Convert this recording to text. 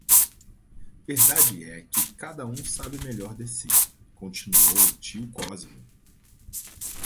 Verdade é que cada um sabe melhor de si, continuou tio Cosme.